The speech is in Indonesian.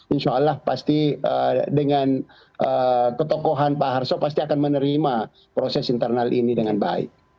insya allah pasti dengan ketokohan pak harso pasti akan menerima proses internal ini dengan baik